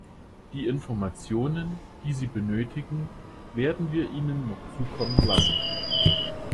Die Informationen, die Sie benötigen, werden wir Ihnen noch zukommen lassen.